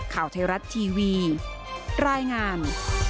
ข่าวไทยรัฐทีวีรายงาน